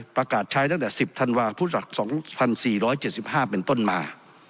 ประกาศใช้ตั้งแต่๑๐ธันวาคุศ๒๔๗๕เป็นต้นมา